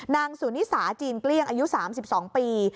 นางสุนิสาจีนเกลี้ยงอายุ๓๒ปี